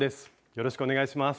よろしくお願いします。